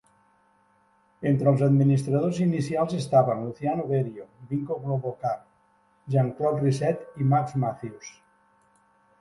Entre els administradors inicials estaven Luciano Berio, Vinko Globokar, Jean-Claude Risset, i Max Mathews.